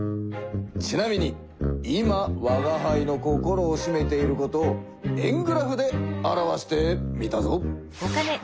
ちなみに今わがはいの心をしめていることを円グラフで表してみたぞ。